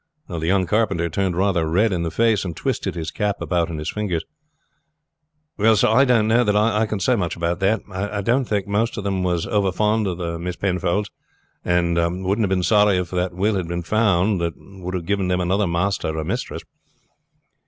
The young carpenter turned rather red in the face, and twisted his cap about in his fingers. "Well, sir, I don't know that I can say much about that. I don't think most of them was overfond of the Miss Penfolds, and wouldn't have been sorry if the will had been found that would have given them another master or mistress."